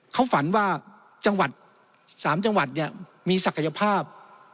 เขาฝันว่าจังหวัด๓จังหวัดเนี่ยมีศักยภาพ